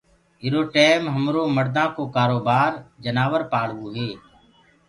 ايرو ٽيم همرو مڙدآ ڪو ڪآروبآر جنآور پآݪوو هي